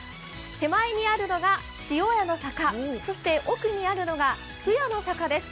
手前にあるのが塩屋の坂、そして奥にあるのが酢屋の坂です。